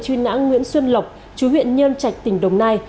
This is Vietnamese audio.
chuyên ngã nguyễn xuân lộc chú huyện nhân trạch tỉnh đồng nai